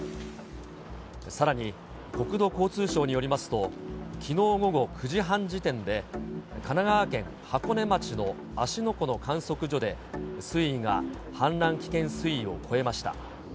さらに国土交通省によりますと、きのう午後９時半時点で、神奈川県箱根町の芦ノ湖の観測所で、水位が氾濫危険水位を超えました。